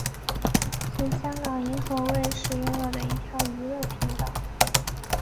是香港银河卫视拥有的一条娱乐频道。